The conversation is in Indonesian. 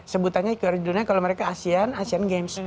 sebutannya kejuaraan dunia kalau mereka asian asian games